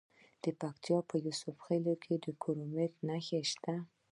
د پکتیکا په یوسف خیل کې د کرومایټ نښې شته.